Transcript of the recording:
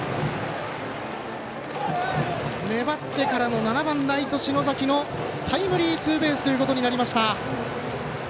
粘ってからの７番ライト、篠崎のタイムリーツーベースとなりました。